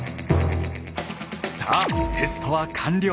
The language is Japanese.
さあテストは完了。